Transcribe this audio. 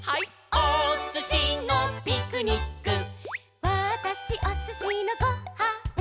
「おすしのピクニック」「わたしおすしのご・は・ん」